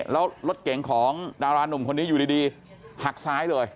แล้วรถเก่งของดารานุ่มคนนี้อยู่ดีหักซ้ายเลย